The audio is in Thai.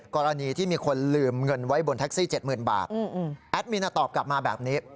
กรณีที่มีคนลืมเงินไว้บนแท็กซี่๗๐๐บาทแอดมินตอบกลับมาแบบนี้